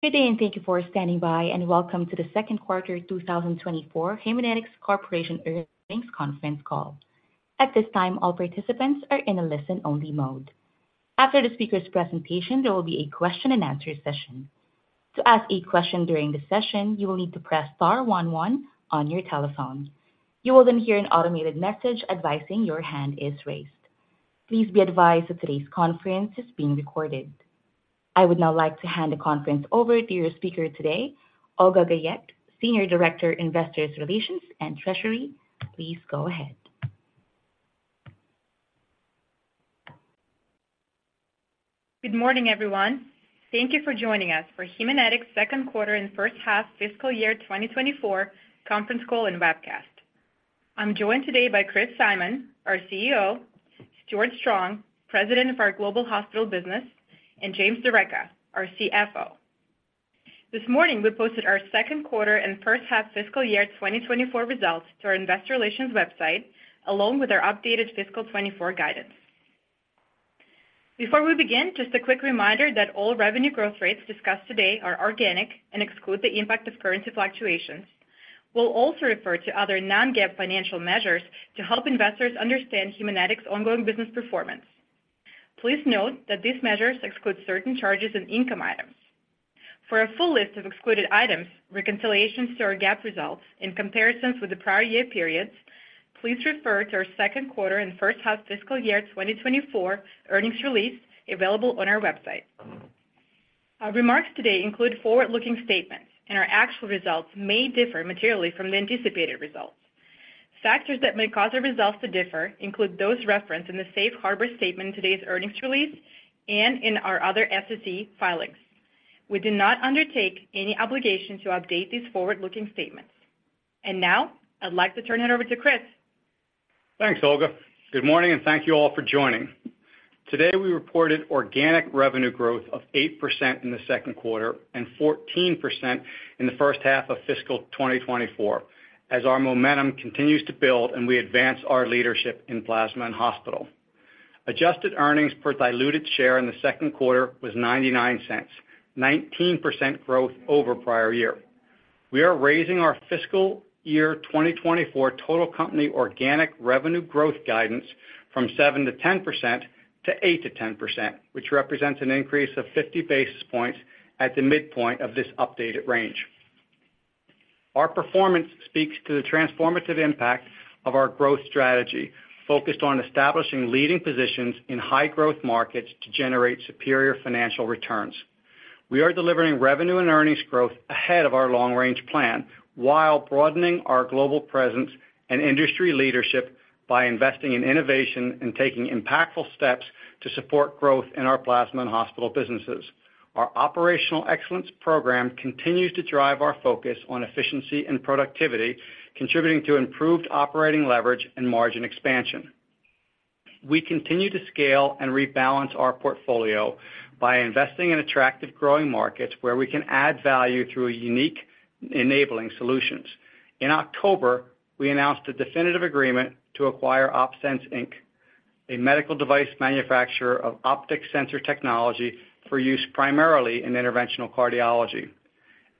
Good day, and thank you for standing by, and welcome to the Q2 2024 Haemonetics Corporation Earnings Conference Call. At this time, all participants are in a listen-only mode. After the speaker's presentation, there will be a question-and-answer session. To ask a question during the session, you will need to press star one one on your telephone. You will then hear an automated message advising your hand is raised. Please be advised that today's conference is being recorded. I would now like to hand the conference over to your speaker today, Olga Guyette, Senior Director, Investor Relations and Treasury. Please go ahead. Good morning, everyone. Thank you for joining us for Haemonetics' second quarter and first half fiscal year 2024 conference call and webcast. I'm joined today by Chris Simon, our CEO, Stewart Strong, President of our Global Hospital business, and James D'Arecca, our CFO. This morning, we posted our second quarter and first half fiscal year 2024 results to our investor relations website, along with our updated fiscal 2024 guidance. Before we begin, just a quick reminder that all revenue growth rates discussed today are organic and exclude the impact of currency fluctuations. We'll also refer to other non-GAAP financial measures to help investors understand Haemonetics' ongoing business performance. Please note that these measures exclude certain charges and income items. For a full list of excluded items, reconciliations to our GAAP results, and comparisons with the prior year periods, please refer to our second quarter and first half fiscal year 2024 earnings release available on our website. Our remarks today include forward-looking statements, and our actual results may differ materially from the anticipated results. Factors that may cause our results to differ include those referenced in the safe harbor statement in today's earnings release and in our other SEC filings. We do not undertake any obligation to update these forward-looking statements. Now, I'd like to turn it over to Chris. Thanks, Olga. Good morning, and thank you all for joining. Today, we reported organic revenue growth of 8% in the second quarter and 14% in the first half of fiscal 2024, as our momentum continues to build and we advance our leadership in plasma and hospital. Adjusted earnings per diluted share in the second quarter was $0.99, 19% growth over prior year. We are raising our fiscal year 2024 total company organic revenue growth guidance from 7%-10% to 8%-10%, which represents an increase of 50 basis points at the midpoint of this updated range. Our performance speaks to the transformative impact of our growth strategy, focused on establishing leading positions in high-growth markets to generate superior financial returns. We are delivering revenue and earnings growth ahead of our long-range plan, while broadening our global presence and industry leadership by investing in innovation and taking impactful steps to support growth in our plasma and hospital businesses. Our operational excellence program continues to drive our focus on efficiency and productivity, contributing to improved operating leverage and margin expansion. We continue to scale and rebalance our portfolio by investing in attractive growing markets where we can add value through unique enabling solutions. In October, we announced a definitive agreement to acquire OpSens Inc., a medical device manufacturer of optic sensor technology for use primarily in interventional cardiology.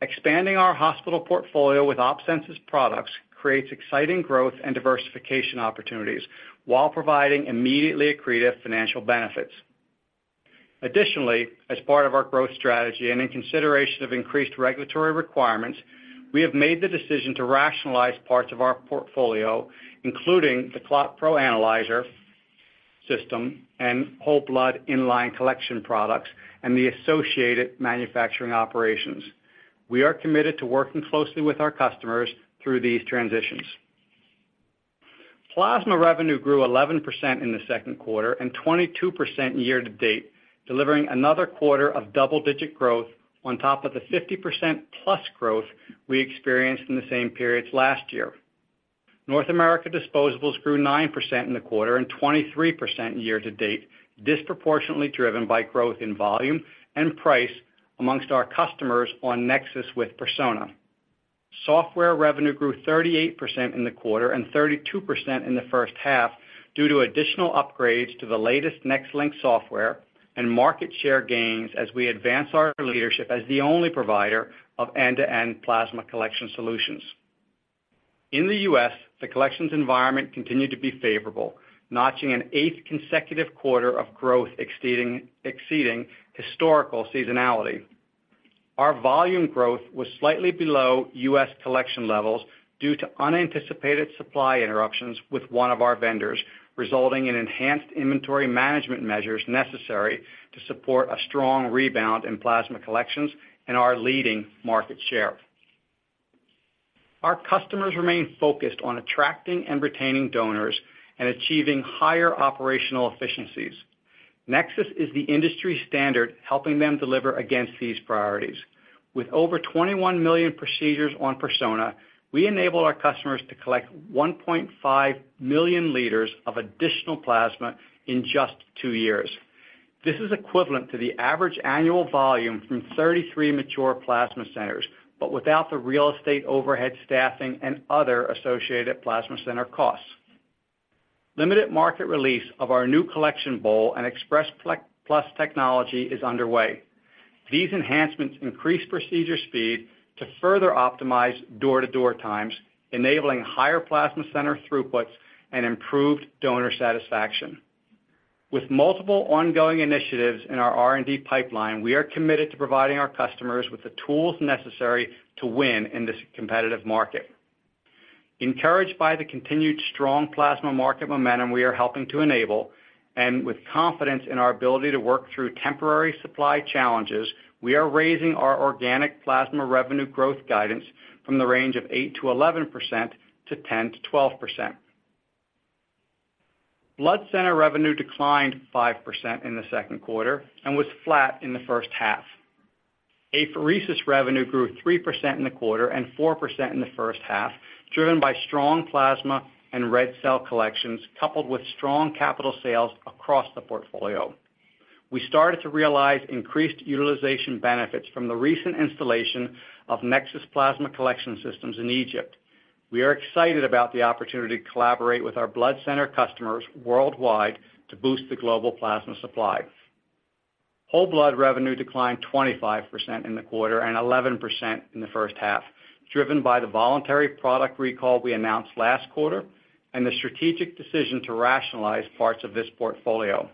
Expanding our hospital portfolio with OpSens' products creates exciting growth and diversification opportunities while providing immediately accretive financial benefits. Additionally, as part of our growth strategy and in consideration of increased regulatory requirements, we have made the decision to rationalize parts of our portfolio, including the ClotPro Analyzer System and whole blood in-line collection products and the associated manufacturing operations. We are committed to working closely with our customers through these transitions. Plasma revenue grew 11% in the second quarter and 22% year to date, delivering another quarter of double-digit growth on top of the 50%+ growth we experienced in the same periods last year. North America disposables grew 9% in the quarter and 23% year to date, disproportionately driven by growth in volume and price among our customers on NexSys with Persona. Software revenue grew 38% in the quarter and 32% in the first half due to additional upgrades to the latest NexLynk software and market share gains as we advance our leadership as the only provider of end-to-end plasma collection solutions. In the U.S., the collections environment continued to be favorable, notching an eighth consecutive quarter of growth exceeding historical seasonality. Our volume growth was slightly below U.S. collection levels due to unanticipated supply interruptions with one of our vendors, resulting in enhanced inventory management measures necessary to support a strong rebound in plasma collections and our leading market share. Our customers remain focused on attracting and retaining donors and achieving higher operational efficiencies. NexSys is the industry standard, helping them deliver against these priorities. With over 21 million procedures on Persona, we enable our customers to collect 1.5 million liters of additional plasma in just 2 years. This is equivalent to the average annual volume from 33 mature plasma centers, but without the real estate, overhead, staffing, and other associated plasma center costs.... Limited market release of our new collection bowl and Express Plus technology is underway. These enhancements increase procedure speed to further optimize door-to-door times, enabling higher plasma center throughputs and improved donor satisfaction. With multiple ongoing initiatives in our R&D pipeline, we are committed to providing our customers with the tools necessary to win in this competitive market. Encouraged by the continued strong plasma market momentum we are helping to enable, and with confidence in our ability to work through temporary supply challenges, we are raising our organic plasma revenue growth guidance from the range of 8%-11% to 10%-12%. Blood center revenue declined 5% in the second quarter and was flat in the first half. Apheresis revenue grew 3% in the quarter and 4% in the first half, driven by strong plasma and red cell collections, coupled with strong capital sales across the portfolio. We started to realize increased utilization benefits from the recent installation of NexSys plasma collection systems in Egypt. We are excited about the opportunity to collaborate with our blood center customers worldwide to boost the global plasma supply. Whole blood revenue declined 25% in the quarter and 11% in the first half, driven by the voluntary product recall we announced last quarter and the strategic decision to rationalize parts of this portfolio.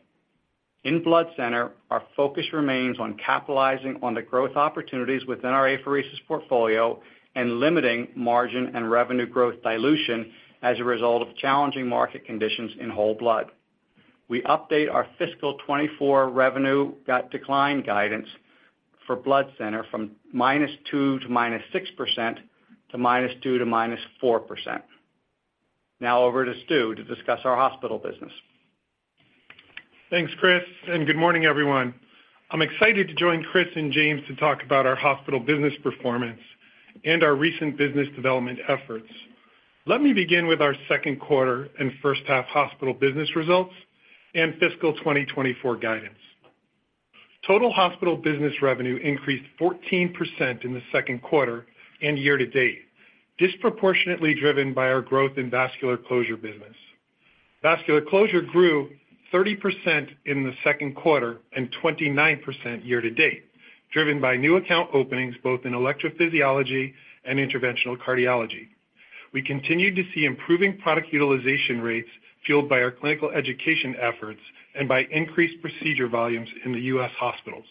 In blood center, our focus remains on capitalizing on the growth opportunities within our apheresis portfolio and limiting margin and revenue growth dilution as a result of challenging market conditions in whole blood. We update our fiscal 2024 revenue decline guidance for blood center from -2% to -6% to -2% to -4%. Now over to Stewart to discuss our hospital business. Thanks, Chris, and good morning, everyone. I'm excited to join Chris and James to talk about our hospital business performance and our recent business development efforts. Let me begin with our second quarter and first half hospital business results and fiscal 2024 guidance. Total hospital business revenue increased 14% in the second quarter and year to date, disproportionately driven by our growth in vascular closure business. Vascular closure grew 30% in the second quarter and 29% year to date, driven by new account openings, both in electrophysiology and interventional cardiology. We continued to see improving product utilization rates, fueled by our clinical education efforts and by increased procedure volumes in the U.S. hospitals.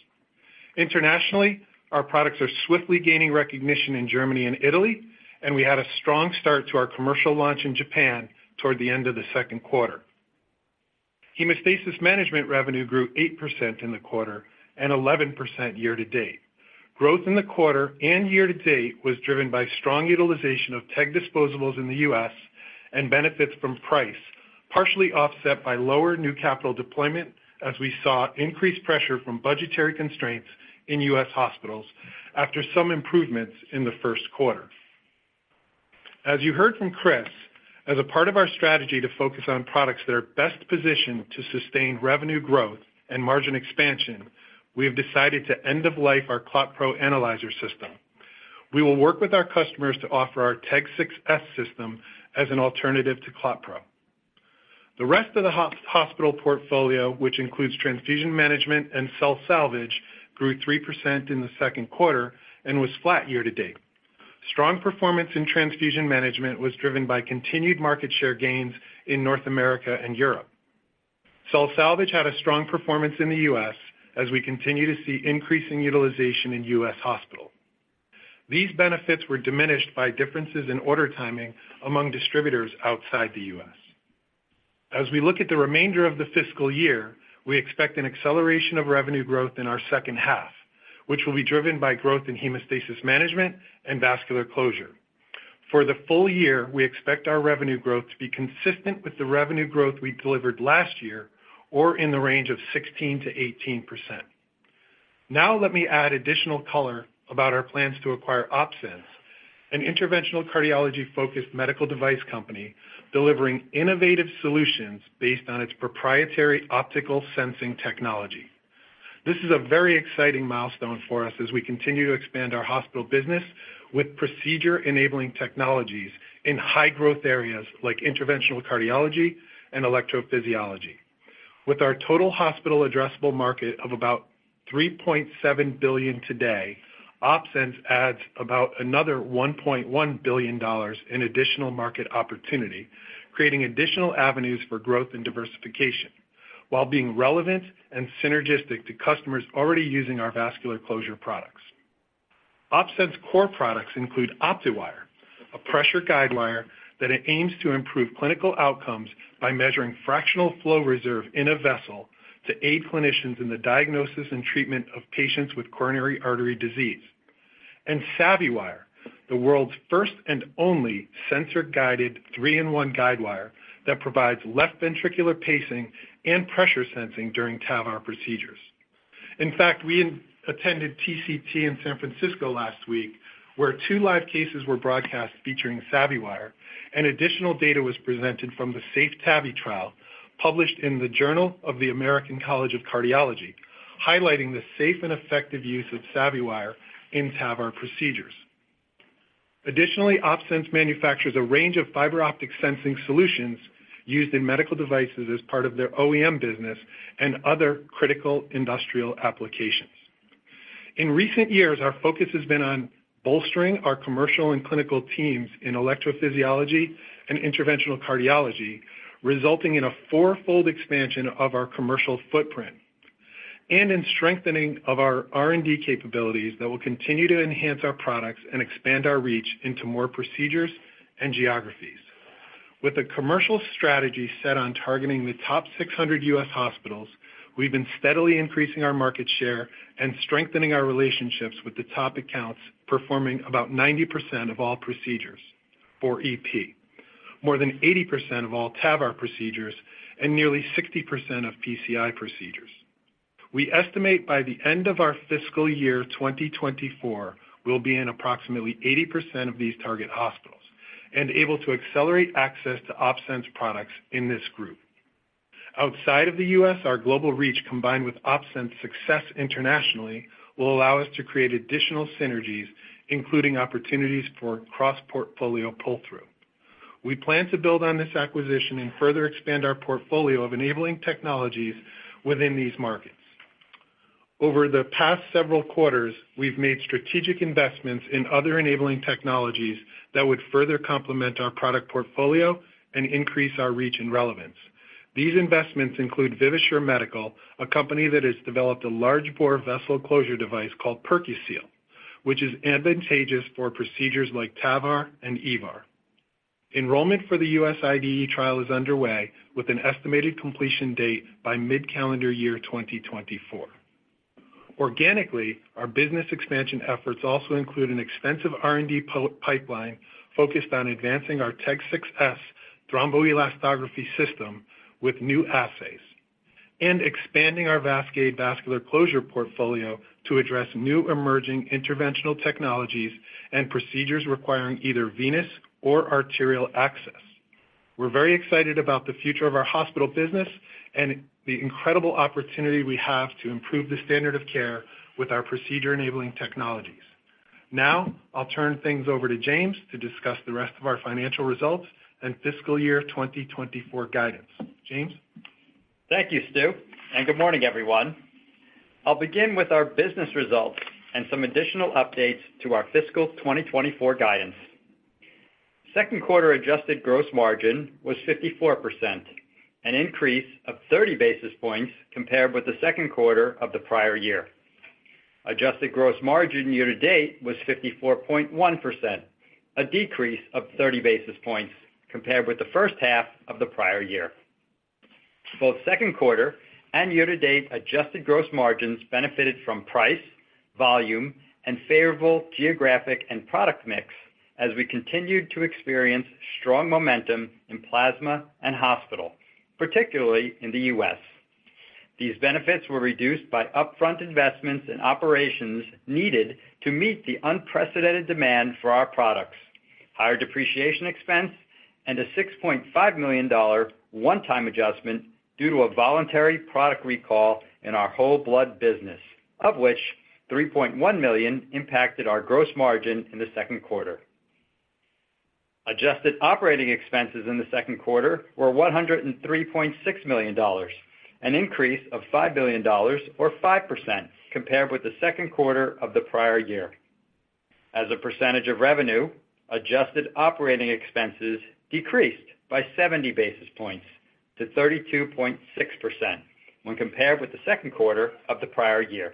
Internationally, our products are swiftly gaining recognition in Germany and Italy, and we had a strong start to our commercial launch in Japan toward the end of the second quarter. Hemostasis management revenue grew 8% in the quarter and 11% year to date. Growth in the quarter and year to date was driven by strong utilization of TEG disposables in the U.S. and benefits from price, partially offset by lower new capital deployment, as we saw increased pressure from budgetary constraints in U.S. hospitals after some improvements in the first quarter. As you heard from Chris, as a part of our strategy to focus on products that are best positioned to sustain revenue growth and margin expansion, we have decided to end of life our ClotPro Analyzer System. We will work with our customers to offer our TEG 6s system as an alternative to ClotPro. The rest of the hospital portfolio, which includes transfusion management and cell salvage, grew 3% in the second quarter and was flat year to date. Strong performance in transfusion management was driven by continued market share gains in North America and Europe. Cell salvage had a strong performance in the U.S. as we continue to see increasing utilization in U.S. hospital. These benefits were diminished by differences in order timing among distributors outside the U.S. As we look at the remainder of the fiscal year, we expect an acceleration of revenue growth in our second half, which will be driven by growth in hemostasis management and vascular closure. For the full year, we expect our revenue growth to be consistent with the revenue growth we delivered last year, or in the range of 16%-18%. Now, let me add additional color about our plans to acquire OpSens, an interventional cardiology-focused medical device company, delivering innovative solutions based on its proprietary optical sensing technology. This is a very exciting milestone for us as we continue to expand our hospital business with procedure-enabling technologies in high-growth areas like interventional cardiology and electrophysiology. With our total hospital addressable market of about $3.7 billion today, OpSens adds about another $1.1 billion in additional market opportunity, creating additional avenues for growth and diversification, while being relevant and synergistic to customers already using our vascular closure products. OpSens' core products include OptiWire, a pressure guidewire that aims to improve clinical outcomes by measuring fractional flow reserve in a vessel to aid clinicians in the diagnosis and treatment of patients with coronary artery disease. SavvyWire, the world's first and only sensor-guided three-in-one guidewire that provides left ventricular pacing and pressure sensing during TAVR procedures. In fact, we attended TCT in San Francisco last week, where two live cases were broadcast featuring SavvyWire, and additional data was presented from the SAFE-TAVI trial, published in the Journal of the American College of Cardiology, highlighting the safe and effective use of SavvyWire in TAVR procedures. Additionally, OpSens manufactures a range of fiber optic sensing solutions used in medical devices as part of their OEM business and other critical industrial applications. In recent years, our focus has been on bolstering our commercial and clinical teams in electrophysiology and interventional cardiology, resulting in a four-fold expansion of our commercial footprint and in strengthening of our R&D capabilities that will continue to enhance our products and expand our reach into more procedures and geographies. With a commercial strategy set on targeting the top 600 U.S. hospitals, we've been steadily increasing our market share and strengthening our relationships with the top accounts, performing about 90% of all procedures for EP, more than 80% of all TAVR procedures, and nearly 60% of PCI procedures. We estimate by the end of our fiscal year 2024, we'll be in approximately 80% of these target hospitals and able to accelerate access to OpSens products in this group. Outside of the U.S., our global reach, combined with OpSens' success internationally, will allow us to create additional synergies, including opportunities for cross-portfolio pull-through. We plan to build on this acquisition and further expand our portfolio of enabling technologies within these markets. Over the past several quarters, we've made strategic investments in other enabling technologies that would further complement our product portfolio and increase our reach and relevance. These investments include Vivasure Medical, a company that has developed a large bore vessel closure device called PerQSeal, which is advantageous for procedures like TAVR and EVAR. Enrollment for the U.S. IDE trial is underway, with an estimated completion date by mid-calendar year 2024. Organically, our business expansion efforts also include an extensive R&D pipeline focused on advancing our TEG 6s thromboelastography system with new assays and expanding our VASCADE vascular closure portfolio to address new emerging interventional technologies and procedures requiring either venous or arterial access. We're very excited about the future of our hospital business and the incredible opportunity we have to improve the standard of care with our procedure-enabling technologies. Now, I'll turn things over to James to discuss the rest of our financial results and fiscal year 2024 guidance. James? Thank you, Stewart, and good morning, everyone. I'll begin with our business results and some additional updates to our fiscal 2024 guidance. Second quarter adjusted gross margin was 54%, an increase of 30 basis points compared with the second quarter of the prior year. Adjusted gross margin year-to-date was 54.1%, a decrease of 30 basis points compared with the first half of the prior year. Both second quarter and year-to-date adjusted gross margins benefited from price, volume, and favorable geographic and product mix as we continued to experience strong momentum in plasma and hospital, particularly in the U.S. These benefits were reduced by upfront investments in operations needed to meet the unprecedented demand for our products, higher depreciation expense, and a $6.5 million one-time adjustment due to a voluntary product recall in our whole blood business, of which $3.1 million impacted our gross margin in the second quarter. Adjusted operating expenses in the second quarter were $103.6 million, an increase of $5 million or 5% compared with the second quarter of the prior year. As a percentage of revenue, adjusted operating expenses decreased by 70 basis points to 32.6% when compared with the second quarter of the prior year.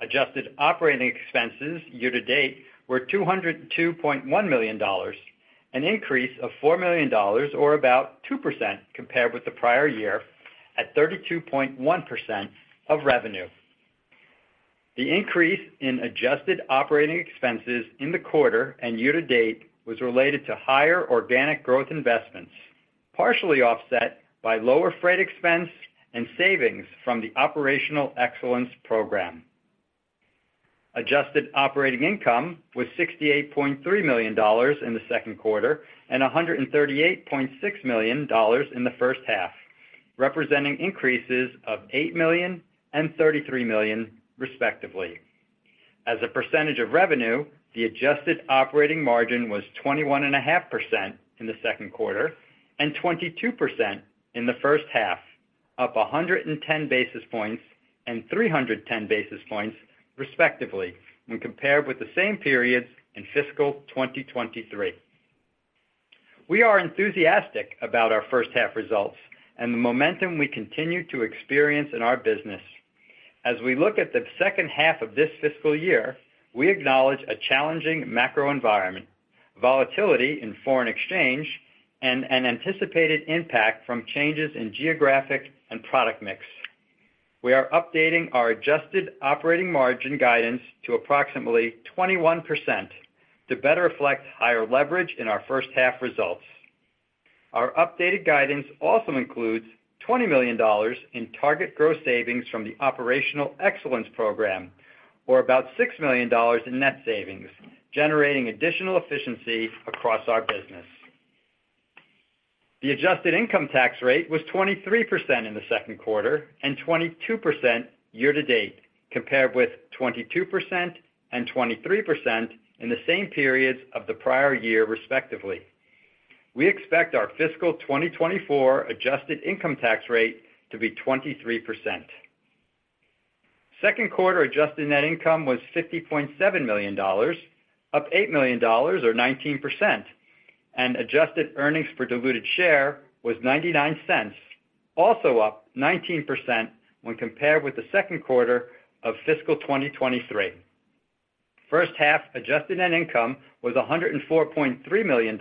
Adjusted operating expenses year-to-date were $202.1 million, an increase of $4 million or about 2% compared with the prior year, at 32.1% of revenue. The increase in adjusted operating expenses in the quarter and year-to-date was related to higher organic growth investments, partially offset by lower freight expense and savings from the Operational Excellence Program. Adjusted operating income was $68.3 million in the second quarter and $138.6 million in the first half, representing increases of $8 million and $33 million, respectively. As a percentage of revenue, the adjusted operating margin was 21.5% in the second quarter and 22% in the first half, up 110 basis points and 310 basis points, respectively, when compared with the same periods in fiscal 2023. We are enthusiastic about our first half results and the momentum we continue to experience in our business. As we look at the second half of this fiscal year, we acknowledge a challenging macro environment, volatility in foreign exchange, and an anticipated impact from changes in geographic and product mix. We are updating our adjusted operating margin guidance to approximately 21% to better reflect higher leverage in our first half results. Our updated guidance also includes $20 million in target gross savings from the Operational Excellence Program, or about $6 million in net savings, generating additional efficiency across our business. The adjusted income tax rate was 23% in the second quarter and 22% year-to-date, compared with 22% and 23% in the same periods of the prior year, respectively. We expect our fiscal 2024 adjusted income tax rate to be 23%. Second quarter adjusted net income was $50.7 million, up $8 million or 19%, and adjusted earnings per diluted share was $0.99, also up 19% when compared with the second quarter of fiscal 2023. First half adjusted net income was $104.3 million,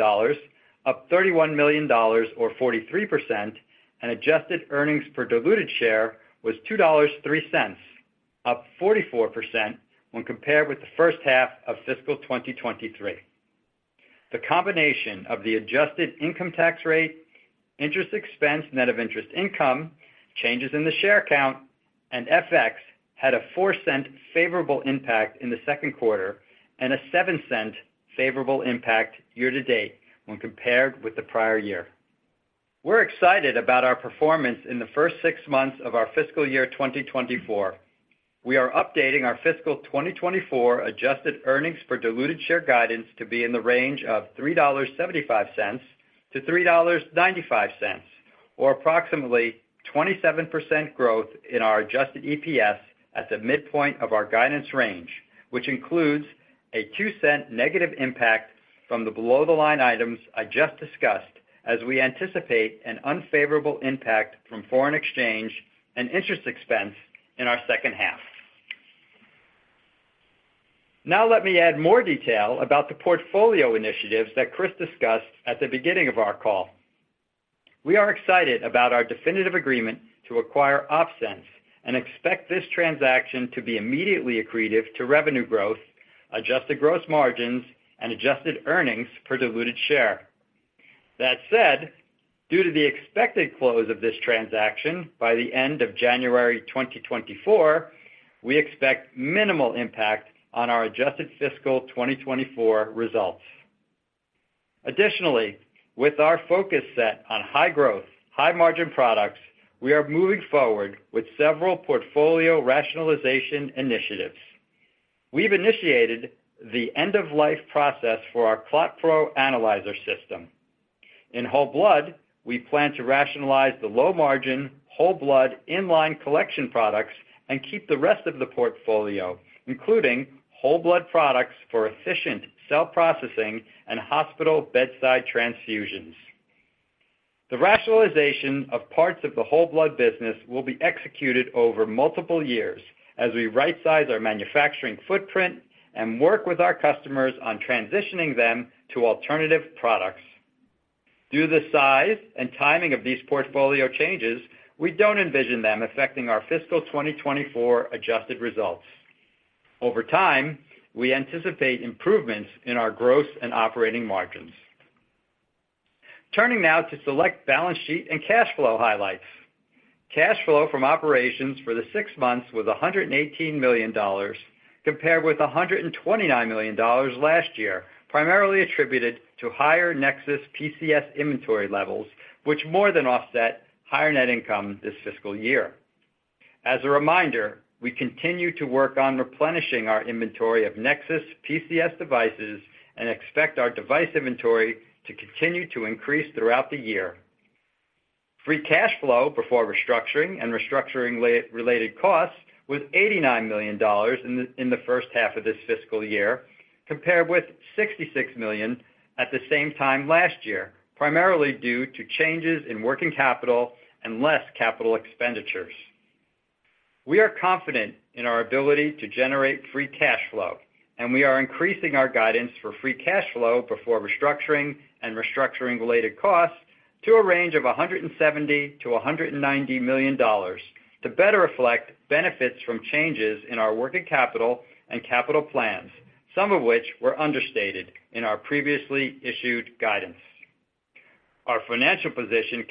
up $31 million or 43%, and adjusted earnings per diluted share was $2.03, up 44% when compared with the first half of fiscal 2023. The combination of the adjusted income tax rate, interest expense, net of interest income, changes in the share count, and FX had a 4-cent favorable impact in the second quarter and a 7-cent favorable impact year-to-date when compared with the prior year. We're excited about our performance in the first six months of our fiscal year 2024. We are updating our fiscal 2024 adjusted earnings per diluted share guidance to be in the range of $3.75-$3.95, or approximately 27% growth in our adjusted EPS at the midpoint of our guidance range, which includes a two cents negative impact from the below-the-line items I just discussed, as we anticipate an unfavorable impact from foreign exchange and interest expense in our second half. Now, let me add more detail about the portfolio initiatives that Chris discussed at the beginning of our call. We are excited about our definitive agreement to acquire OpSens, and expect this transaction to be immediately accretive to revenue growth, adjusted gross margins, and adjusted earnings per diluted share. That said, due to the expected close of this transaction by the end of January 2024, we expect minimal impact on our adjusted fiscal 2024 results. Additionally, with our focus set on high growth, high margin products, we are moving forward with several portfolio rationalization initiatives. We've initiated the end-of-life process for our ClotPro Analyzer System. In whole blood, we plan to rationalize the low-margin, whole blood inline collection products and keep the rest of the portfolio, including whole blood products for efficient cell processing and hospital bedside transfusions. The rationalization of parts of the whole blood business will be executed over multiple years as we rightsize our manufacturing footprint and work with our customers on transitioning them to alternative products. Due to the size and timing of these portfolio changes, we don't envision them affecting our fiscal 2024 adjusted results. Over time, we anticipate improvements in our gross and operating margins. Turning now to select balance sheet and cash flow highlights. Cash flow from operations for the six months was $118 million, compared with $129 million last year, primarily attributed to higher NexSys PCS inventory levels, which more than offset higher net income this fiscal year. As a reminder, we continue to work on replenishing our inventory of NexSys PCS devices and expect our device inventory to continue to increase throughout the year. Free cash flow before restructuring and restructuring-related costs was $89 million in the first half of this fiscal year, compared with $66 million at the same time last year, primarily due to changes in working capital and less capital expenditures. We are confident in our ability to generate free cash flow, and we are increasing our guidance for free cash flow before restructuring and restructuring-related costs to a range of $170 million-$190 million to better reflect benefits from changes in our working capital and capital plans, some of which were understated in our previously issued guidance. Our financial position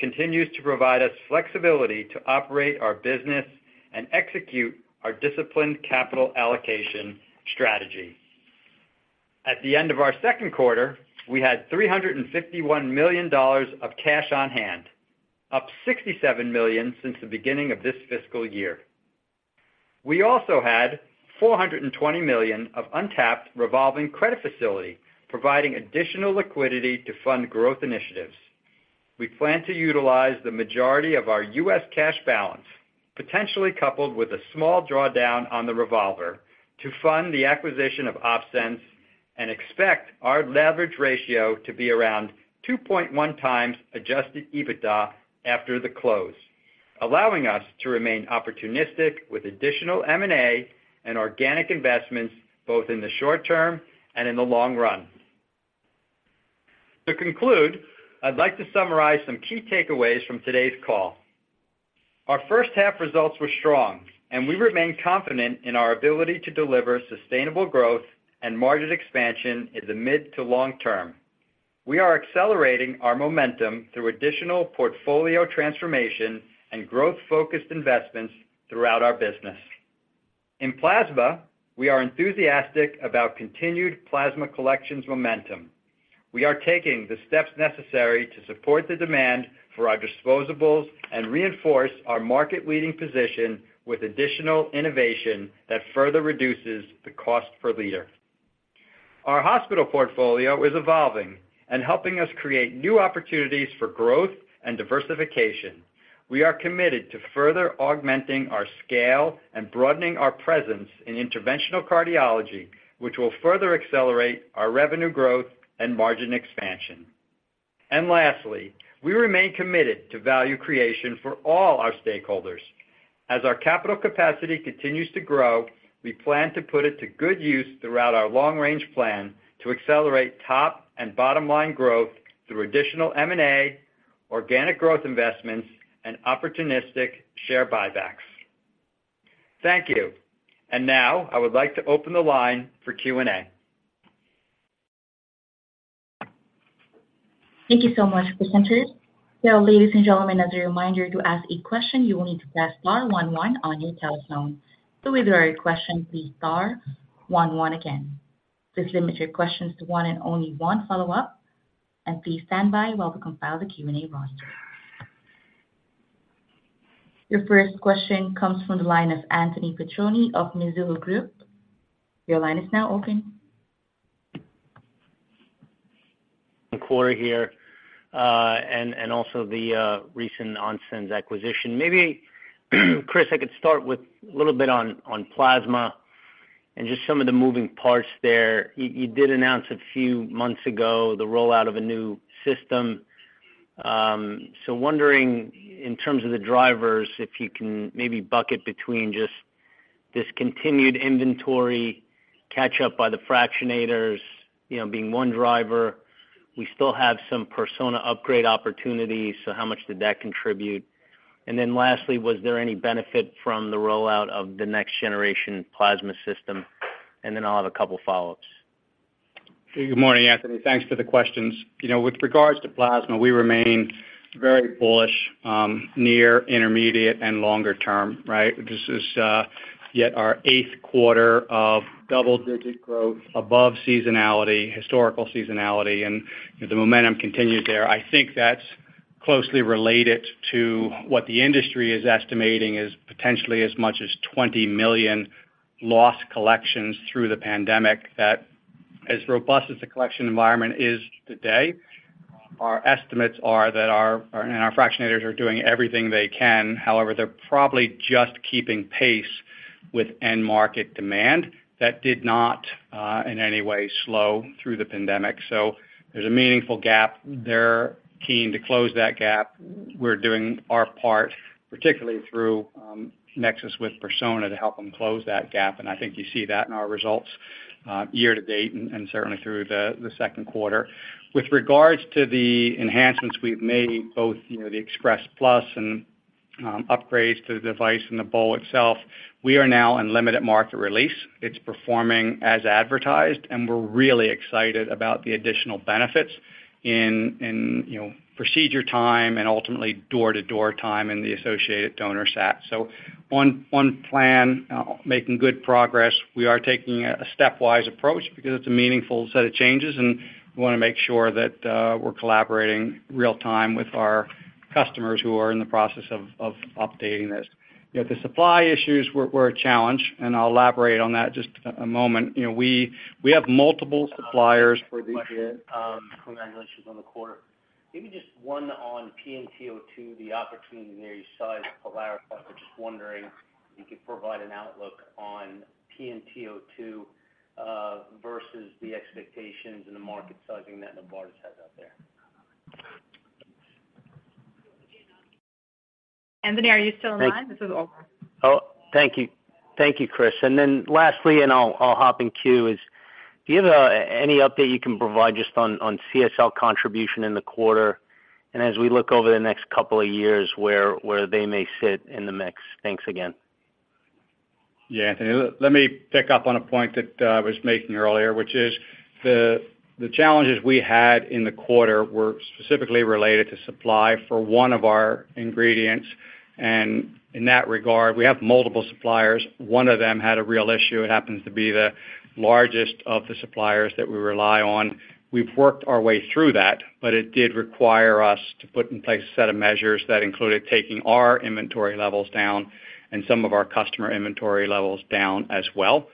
continues to provide us flexibility to operate our business and execute our disciplined capital allocation strategy. At the end of our second quarter, we had $351 million of cash on hand, up $67 million since the beginning of this fiscal year. We also had $420 million of untapped revolving credit facility, providing additional liquidity to fund growth initiatives. We plan to utilize the majority of our U.S. cash balance, potentially coupled with a small drawdown on the revolver, to fund the acquisition of OpSens and expect our leverage ratio to be around 2.1x adjusted EBITDA after the close, allowing us to remain opportunistic with additional M&A and organic investments, both in the short term and in the long run. To conclude, I'd like to summarize some key takeaways from today's call. Our first half results were strong, and we remain confident in our ability to deliver sustainable growth and margin expansion in the mid to long term. We are accelerating our momentum through additional portfolio transformation and growth-focused investments throughout our business.... In plasma, we are enthusiastic about continued plasma collections momentum. We are taking the steps necessary to support the demand for our disposables and reinforce our market-leading position with additional innovation that further reduces the cost per liter. Our hospital portfolio is evolving and helping us create new opportunities for growth and diversification. We are committed to further augmenting our scale and broadening our presence in interventional cardiology, which will further accelerate our revenue growth and margin expansion. And lastly, we remain committed to value creation for all our stakeholders. As our capital capacity continues to grow, we plan to put it to good use throughout our long-range plan to accelerate top and bottom line growth through additional M&A, organic growth investments, and opportunistic share buybacks. Thank you. And now, I would like to open the line for Q&A. Thank you so much, presenters. Now, ladies and gentlemen, as a reminder, to ask a question, you will need to press star one one on your telephone. So with your question, please star one one again. Please limit your questions to one and only one follow-up, and please stand by while we compile the Q&A roster. Your first question comes from the line of Anthony Petrone of Mizuho Group. Your line is now open. Quarter here, and also the recent OpSens acquisition. Maybe, Chris, I could start with a little bit on plasma and just some of the moving parts there. You did announce a few months ago the rollout of a new system. So wondering, in terms of the drivers, if you can maybe bucket between just this continued inventory catch up by the fractionators, you know, being one driver. We still have some Persona upgrade opportunities, so how much did that contribute? And then lastly, was there any benefit from the rollout of the next generation plasma system? And then I'll have a couple of follow-ups. Good morning, Anthony. Thanks for the questions. You know, with regards to plasma, we remain very bullish, near, intermediate, and longer term, right? This is, yet our eighth quarter of double-digit growth above seasonality, historical seasonality, and the momentum continues there. I think that's closely related to what the industry is estimating is potentially as much as 20 million lost collections through the pandemic, that as robust as the collection environment is today, our estimates are that our, and our fractionators are doing everything they can. However, they're probably just keeping pace with end-market demand that did not, in any way slow through the pandemic. So there's a meaningful gap. They're keen to close that gap. We're doing our part, particularly through, NexSys with Persona to help them close that gap. And I think you see that in our results year to date and certainly through the second quarter. With regards to the enhancements we've made, both, you know, the Express Plus and upgrades to the device and the bowl itself, we are now in limited market release. It's performing as advertised, and we're really excited about the additional benefits in, you know, procedure time and ultimately door-to-door time and the associated donor sat. So on plan making good progress, we are taking a stepwise approach because it's a meaningful set of changes, and we want to make sure that we're collaborating real time with our customers who are in the process of updating this. Yet the supply issues were a challenge, and I'll elaborate on that just a moment. You know, we have multiple suppliers for these question. Congratulations on the quarter. Maybe just one on PNTO2, the opportunity there, you sized Polarica. I was just wondering if you could provide an outlook on PNTO2, versus the expectations and the market sizing that Novartis has out there. Anthony, are you still on line? This is Olga. Oh, thank you. Thank you, Chris. And then lastly, and I'll hop in queue, is: Do you have any update you can provide just on CSL contribution in the quarter? And as we look over the next couple of years, where they may sit in the mix. Thanks again. Yeah, Anthony, let me pick up on a point that I was making earlier, which is the challenges we had in the quarter were specifically related to supply for one of our ingredients. And in that regard, we have multiple suppliers. One of them had a real issue. It happens to be the largest of the suppliers that we rely on. We've worked our way through that, but it did require us to put in place a set of measures that included taking our inventory levels down and some of our customer inventory levels down as well.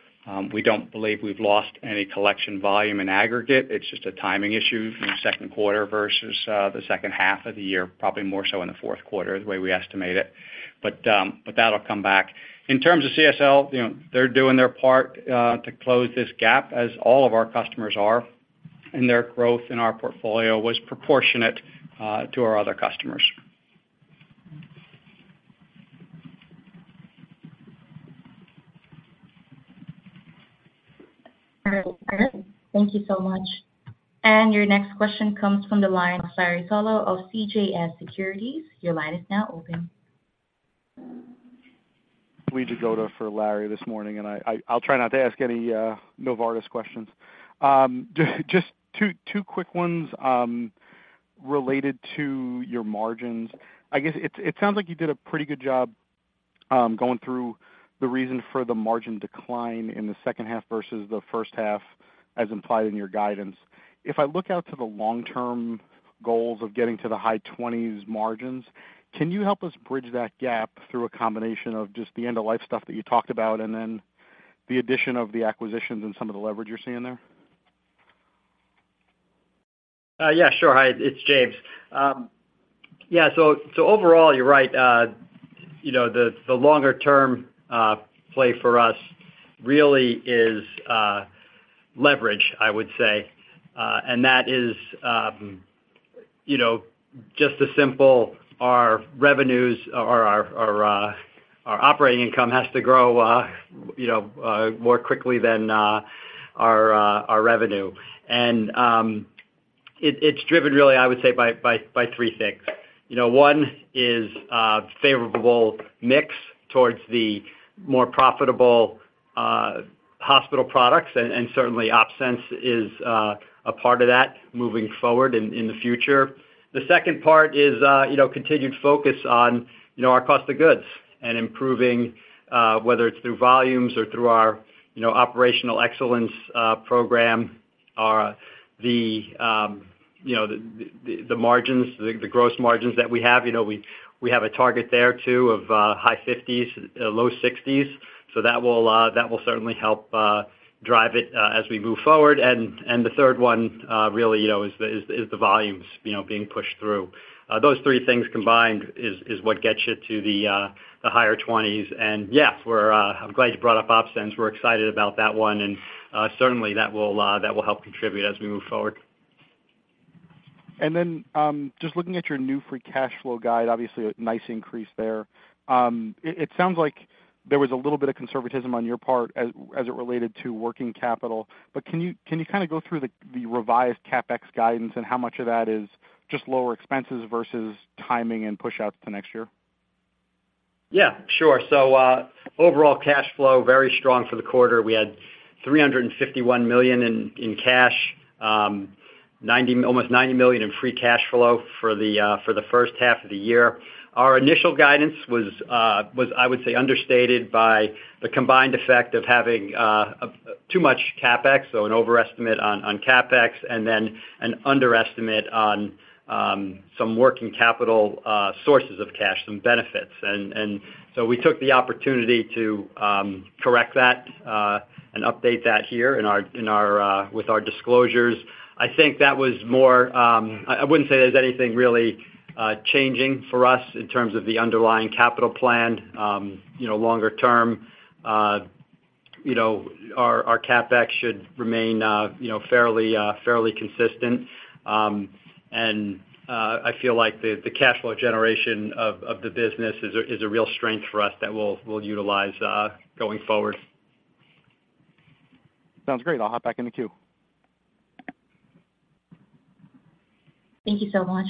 We don't believe we've lost any collection volume in aggregate. It's just a timing issue from the second quarter versus the second half of the year, probably more so in the fourth quarter, the way we estimate it. But that'll come back. In terms of CSL, you know, they're doing their part to close this gap, as all of our customers are, and their growth in our portfolio was proportionate to our other customers. All right. Thank you so much. Your next question comes from the line of Larry Solow of CJS Securities. Your line is now open. We go to Larry this morning, and I'll try not to ask any Novartis questions. Just two quick ones related to your margins. I guess it sounds like you did a pretty good job going through the reason for the margin decline in the second half versus the first half, as implied in your guidance. If I look out to the long-term goals of getting to the high 20s margins, can you help us bridge that gap through a combination of just the end-of-life stuff that you talked about, and then the addition of the acquisitions and some of the leverage you're seeing there? Yeah, sure. Hi, it's James. Yeah, so overall, you're right. You know, the longer term play for us really is leverage, I would say. And that is, you know, just a simple, our revenues or our operating income has to grow, you know, more quickly than our revenue. And it, it's driven really, I would say, by three things. You know, one is favorable mix towards the more profitable hospital products, and certainly OpSens is a part of that moving forward in the future. The second part is, you know, continued focus on, you know, our cost of goods and improving, whether it's through volumes or through our, you know, operational excellence program, or the, you know, the margins, the gross margins that we have. You know, we have a target there, too, of high 50s, low 60s. So that will certainly help drive it as we move forward. And the third one, really, you know, is the volumes, you know, being pushed through. Those three things combined is what gets you to the higher 20s. And yes, we're, I'm glad you brought up OpSens. We're excited about that one, and certainly that will help contribute as we move forward. Then, just looking at your new free cash flow guide, obviously a nice increase there. It sounds like there was a little bit of conservatism on your part as it related to working capital. But can you kind of go through the revised CapEx guidance and how much of that is just lower expenses versus timing and pushouts to next year? Yeah, sure. So overall cash flow very strong for the quarter. We had $351 million in cash, almost $90 million in free cash flow for the first half of the year. Our initial guidance was, I would say, understated by the combined effect of having too much CapEx, so an overestimate on CapEx, and then an underestimate on some working capital sources of cash, some benefits. And so we took the opportunity to correct that and update that here in our disclosures. I think that was more. I wouldn't say there's anything really changing for us in terms of the underlying capital plan. You know, longer term, you know, our CapEx should remain, you know, fairly consistent. And, I feel like the cash flow generation of the business is a real strength for us that we'll utilize going forward. Sounds great. I'll hop back in the queue. Thank you so much.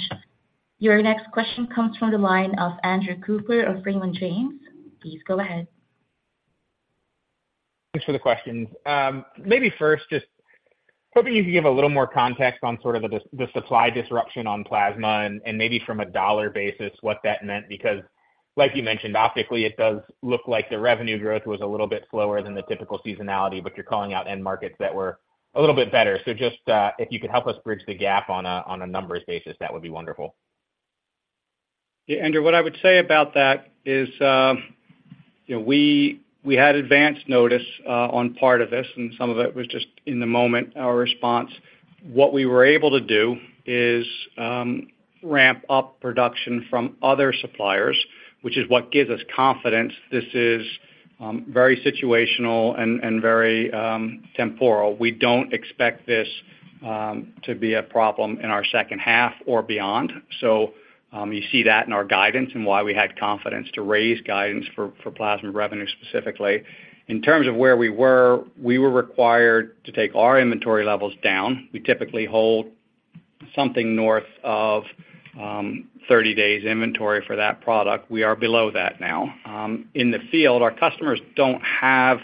Your next question comes from the line of Andrew Cooper of Raymond James. Please go ahead. Thanks for the questions. Maybe first, just hoping you could give a little more context on sort of the supply disruption on plasma and maybe from a dollar basis, what that meant. Because, like you mentioned, optically, it does look like the revenue growth was a little bit slower than the typical seasonality, but you're calling out end markets that were a little bit better. So just, if you could help us bridge the gap on a numbers basis, that would be wonderful. Yeah, Andrew, what I would say about that is, you know, we had advanced notice on part of this, and some of it was just in the moment, our response. What we were able to do is ramp up production from other suppliers, which is what gives us confidence. This is very situational and very temporal. We don't expect this to be a problem in our second half or beyond. So, you see that in our guidance and why we had confidence to raise guidance for plasma revenue, specifically. In terms of where we were, we were required to take our inventory levels down. We typically hold something north of 30 days inventory for that product. We are below that now. In the field, our customers don't have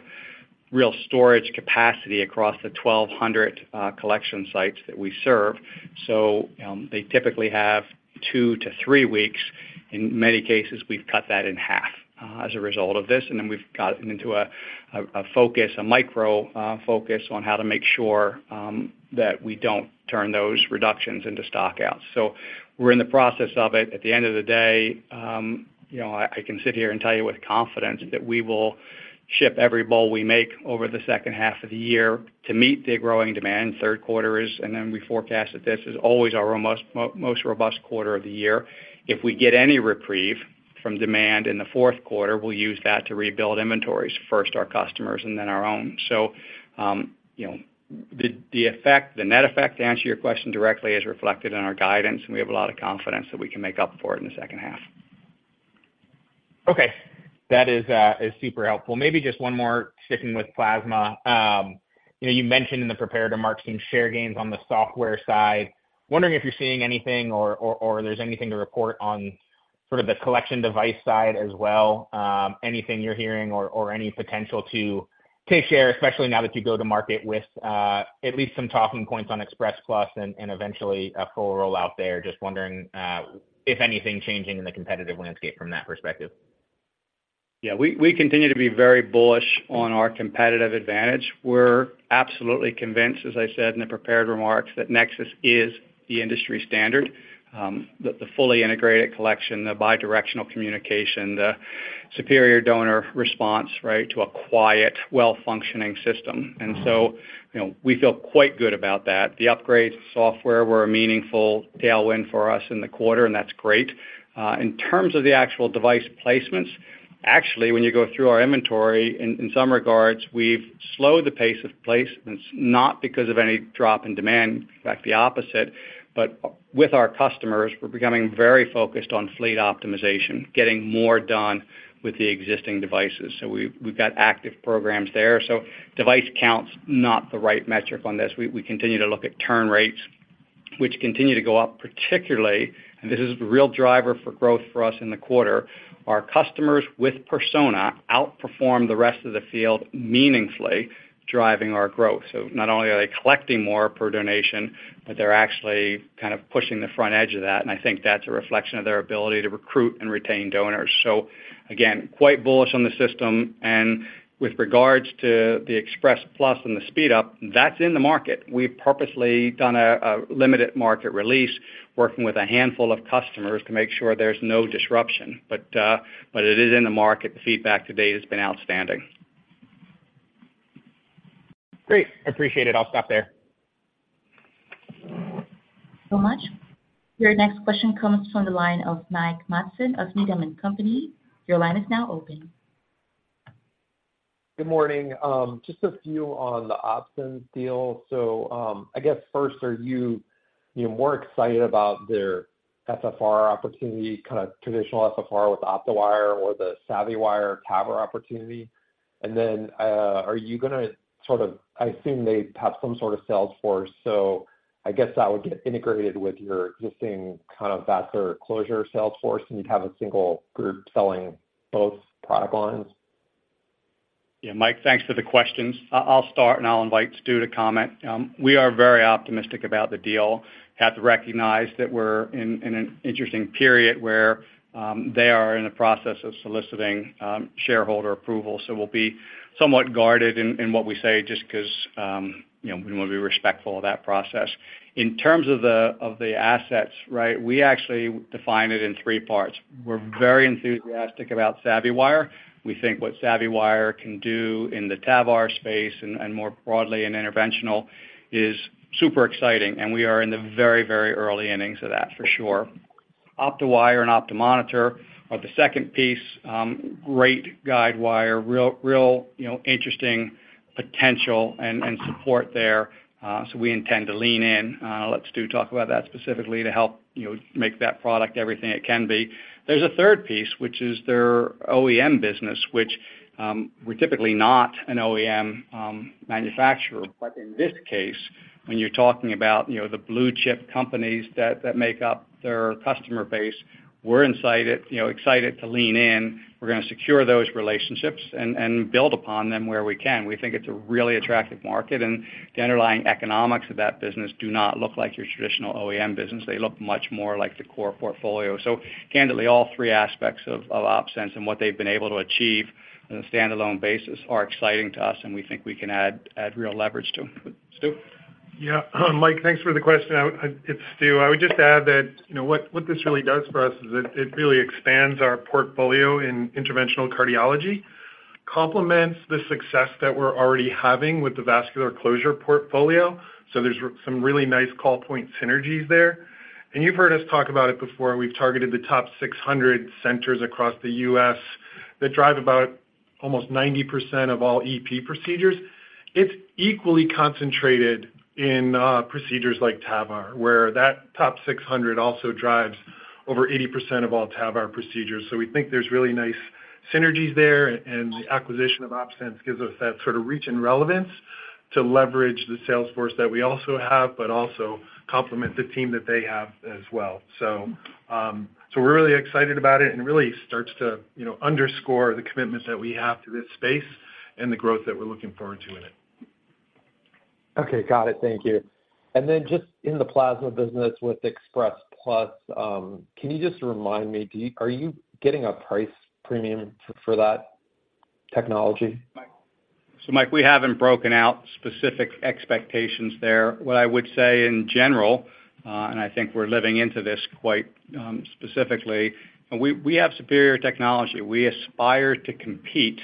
real storage capacity across the 1,200 collection sites that we serve, so, they typically have 2-3 weeks. In many cases, we've cut that in half, as a result of this, and then we've gotten into a micro focus on how to make sure that we don't turn those reductions into stockouts. So we're in the process of it. At the end of the day, you know, I can sit here and tell you with confidence that we will ship every bowl we make over the second half of the year to meet the growing demand. Third quarter is, and then we forecast that this is always our most robust quarter of the year. If we get any reprieve from demand in the fourth quarter, we'll use that to rebuild inventories, first our customers and then our own. So, you know, the net effect, to answer your question directly, is reflected in our guidance, and we have a lot of confidence that we can make up for it in the second half. Okay. That is, is super helpful. Maybe just one more, sticking with plasma. You know, you mentioned in the prepared remarks some share gains on the software side. Wondering if you're seeing anything or there's anything to report on sort of the collection device side as well? Anything you're hearing or any potential to take share, especially now that you go to market with at least some talking points on Express Plus and eventually a full rollout there. Just wondering if anything changing in the competitive landscape from that perspective? Yeah, we continue to be very bullish on our competitive advantage. We're absolutely convinced, as I said in the prepared remarks, that NexSys is the industry standard, the fully integrated collection, the bidirectional communication, the superior donor response, right? To a quiet, well-functioning system. And so, you know, we feel quite good about that. The upgrade software were a meaningful tailwind for us in the quarter, and that's great. In terms of the actual device placements, actually, when you go through our inventory, in some regards, we've slowed the pace of placements, not because of any drop in demand, in fact, the opposite, but with our customers, we're becoming very focused on fleet optimization, getting more done with the existing devices. So we've got active programs there. So device count's not the right metric on this. We continue to look at turn rates, which continue to go up, particularly, and this is the real driver for growth for us in the quarter, our customers with Persona outperform the rest of the field, meaningfully driving our growth. So not only are they collecting more per donation, but they're actually kind of pushing the front edge of that, and I think that's a reflection of their ability to recruit and retain donors. So again, quite bullish on the system. And with regards to the Express Plus and the speed up, that's in the market. We've purposely done a limited market release, working with a handful of customers to make sure there's no disruption. But it is in the market. The feedback to date has been outstanding. Great, appreciate it. I'll stop there. So much. Your next question comes from the line of Mike Matson of Needham & Company. Your line is now open. Good morning. Just a few on the OpSens deal. So, I guess first, are you, you know, more excited about their FFR opportunity, kind of traditional FFR with OptiWire or the SavvyWire TAVR opportunity? And then, are you going to sort of... I assume they have some sort of sales force, so I guess that would get integrated with your existing kind of vascular closure sales force, and you'd have a single group selling both product lines? Yeah, Mike, thanks for the questions. I'll start, and I'll invite Stewart to comment. We are very optimistic about the deal. Have to recognize that we're in an interesting period where they are in the process of soliciting shareholder approval. So we'll be somewhat guarded in what we say just because, you know, we want to be respectful of that process. In terms of the assets, right? We actually define it in three parts. We're very enthusiastic about SavvyWire. We think what SavvyWire can do in the TAVR space and more broadly in interventional is super exciting, and we are in the very, very early innings of that for sure. OptiWire and OptoMonitor are the second piece, great guide wire, real you know, interesting potential and support there, so we intend to lean in. Let Stu talk about that specifically to help, you know, make that product everything it can be. There's a third piece, which is their OEM business, which, we're typically not an OEM manufacturer, but in this case, when you're talking about, you know, the blue chip companies that, that make up their customer base, we're excited to lean in. We're going to secure those relationships and, and build upon them where we can. We think it's a really attractive market, and the underlying economics of that business do not look like your traditional OEM business. They look much more like the core portfolio. So candidly, all three aspects of OpSens and what they've been able to achieve on a standalone basis are exciting to us, and we think we can add, add real leverage too. Stewart? Yeah, Mike, thanks for the question. It's Stewart. I would just add that, you know, what, what this really does for us is it, it really expands our portfolio in interventional cardiology, complements the success that we're already having with the vascular closure portfolio. So there's some really nice call point synergies there. And you've heard us talk about it before, we've targeted the top 600 centers across the U.S. that drive about almost 90% of all EP procedures. It's equally concentrated in procedures like TAVR, where that top 600 also drives over 80% of all TAVR procedures. So we think there's really nice synergies there, and the acquisition of OpSens gives us that sort of reach and relevance to leverage the sales force that we also have, but also complement the team that they have as well. So, we're really excited about it and really starts to, you know, underscore the commitments that we have to this space and the growth that we're looking forward to in it. Okay, got it. Thank you. Then just in the plasma business with Express Plus, can you just remind me, are you getting a price premium for that technology? Mike. So Mike, we haven't broken out specific expectations there. What I would say in general, and I think we're living into this quite, specifically, and we, we have superior technology. We aspire to compete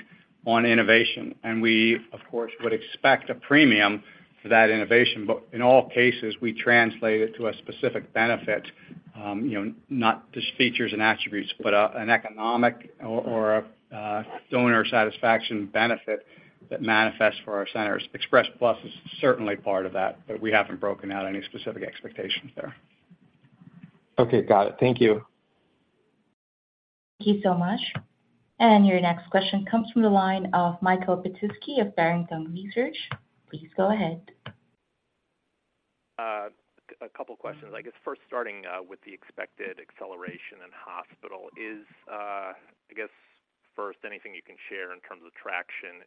on innovation, and we, of course, would expect a premium for that innovation. But in all cases, we translate it to a specific benefit, you know, not just features and attributes, but a, an economic or, or, donor satisfaction benefit that manifests for our centers. Express Plus is certainly part of that, but we haven't broken out any specific expectations there. Okay, got it. Thank you. Thank you so much. Your next question comes from the line of Michael Petusky of Barrington Research. Please go ahead. ... A couple questions, I guess first starting with the expected acceleration in hospital. Is, I guess first, anything you can share in terms of traction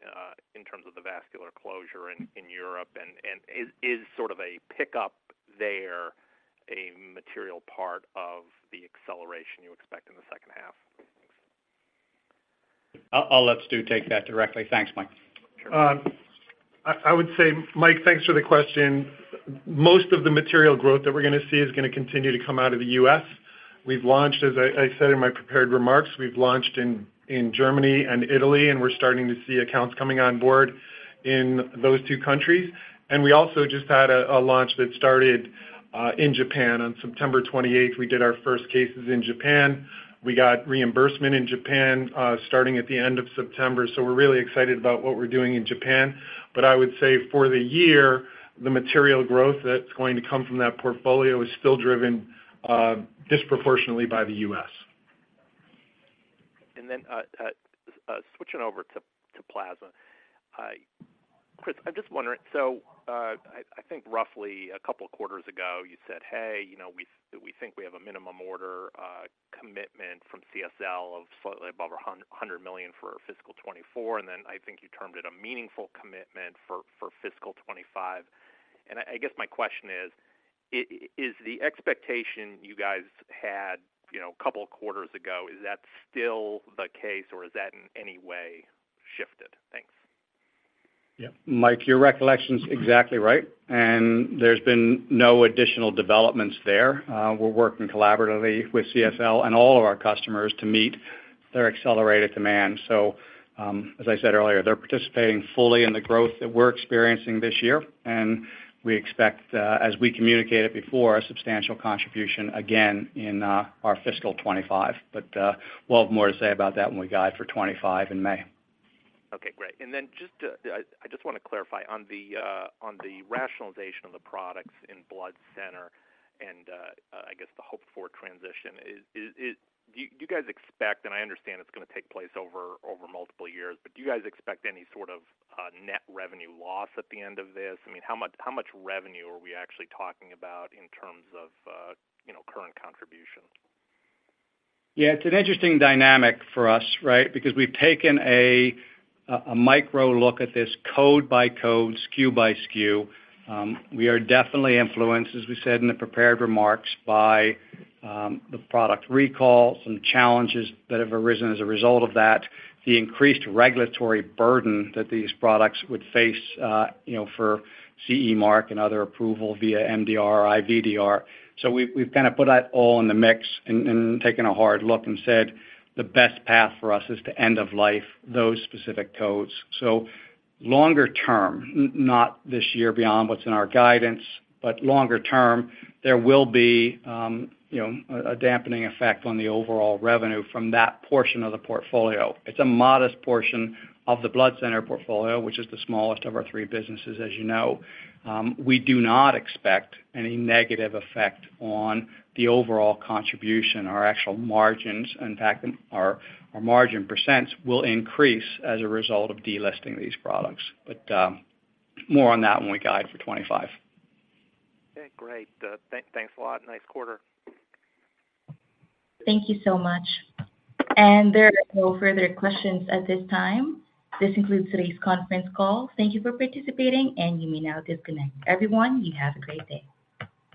in terms of the vascular closure in Europe, and is sort of a pickup there a material part of the acceleration you expect in the second half? I'll let Stewart take that directly. Thanks, Mike. I would say, Mike, thanks for the question. Most of the material growth that we're going to see is going to continue to come out of the U.S. We've launched, as I said in my prepared remarks, we've launched in Germany and Italy, and we're starting to see accounts coming on board in those two countries. We also just had a launch that started in Japan. On September twenty-eighth, we did our first cases in Japan. We got reimbursement in Japan starting at the end of September. So we're really excited about what we're doing in Japan. But I would say for the year, the material growth that's going to come from that portfolio is still driven disproportionately by the U.S. And then, switching over to Plasma. Chris, I'm just wondering, so, I think roughly a couple of quarters ago, you said, "Hey, you know, we think we have a minimum order commitment from CSL of slightly above $100 million for fiscal 2024," and then I think you termed it a meaningful commitment for fiscal 2025. And I guess my question is: is the expectation you guys had, you know, a couple of quarters ago, is that still the case, or is that in any way shifted? Thanks. Yeah. Mike, your recollection is exactly right, and there's been no additional developments there. We're working collaboratively with CSL and all of our customers to meet their accelerated demand. So, as I said earlier, they're participating fully in the growth that we're experiencing this year, and we expect, as we communicated before, a substantial contribution again in our fiscal 2025. But, we'll have more to say about that when we guide for 2025 in May. Okay, great. And then just, I just want to clarify on the rationalization of the products in Blood Center and, I guess, the hope for transition. Is, do you guys expect, and I understand it's going to take place over multiple years, but do you guys expect any sort of net revenue loss at the end of this? I mean, how much, how much revenue are we actually talking about in terms of, you know, current contribution? Yeah, it's an interesting dynamic for us, right? Because we've taken a micro look at this code by code, SKU by SKU. We are definitely influenced, as we said in the prepared remarks, by the product recall, some challenges that have arisen as a result of that, the increased regulatory burden that these products would face, you know, for CE mark and other approval via MDR, IVDR. So we've kind of put that all in the mix and taken a hard look and said, "The best path for us is to end of life those specific codes." So longer term, not this year, beyond what's in our guidance, but longer term, there will be a dampening effect on the overall revenue from that portion of the portfolio. It's a modest portion of the Blood Center portfolio, which is the smallest of our three businesses, as you know. We do not expect any negative effect on the overall contribution, our actual margins. In fact, our margin % will increase as a result of delisting these products. But, more on that when we guide for 25. Okay, great. Thanks a lot. Nice quarter. Thank you so much. There are no further questions at this time. This concludes today's conference call. Thank you for participating, and you may now disconnect. Everyone, you have a great day.